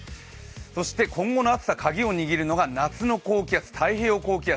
そして今後の暑さ、カギを握るのが夏の太平洋高気圧。